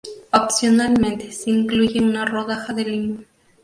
Opcionalmente se incluye una rodaja de limón.